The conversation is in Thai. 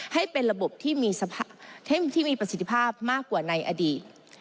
ให้เป็นระบบที่มีประสิทธิภาพมากกว่าในอดีต